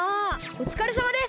おつかれさまです！